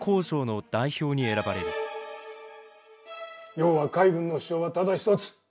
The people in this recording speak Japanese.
要は海軍の主張はただ一つ。